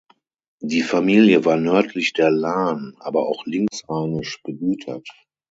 Die Familie war nördlich der Lahn, aber auch linksrheinisch begütert.